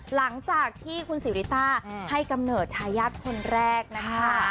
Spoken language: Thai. หลังจากที่คุณสิริต้าให้กำเนิดทายาทคนแรกนะคะ